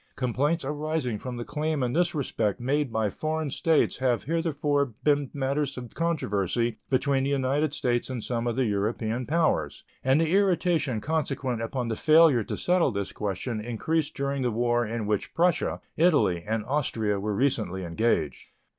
Complaints arising from the claim in this respect made by foreign states have heretofore been matters of controversy between the United States and some of the European powers, and the irritation consequent upon the failure to settle this question increased during the war in which Prussia, Italy, and Austria were recently engaged.